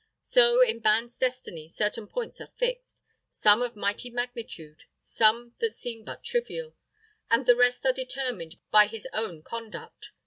So, in man's destiny, certain points are fixed, some of mighty magnitude, some that seem but trivial; and the rest are determined by his own conduct.